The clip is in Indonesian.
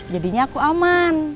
jadinya aku aman